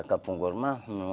ke punggol mah